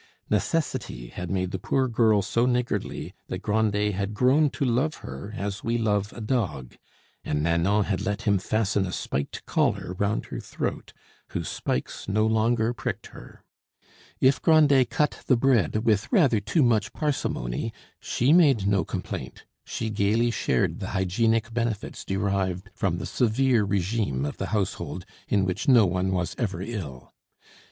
Necessity had made the poor girl so niggardly that Grandet had grown to love her as we love a dog, and Nanon had let him fasten a spiked collar round her throat, whose spikes no longer pricked her. If Grandet cut the bread with rather too much parsimony, she made no complaint; she gaily shared the hygienic benefits derived from the severe regime of the household, in which no one was ever ill.